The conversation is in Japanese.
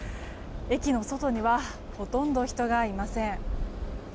駅の外にはほとんど人がいません。